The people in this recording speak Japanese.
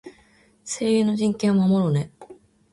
声優の人権は守ろうね。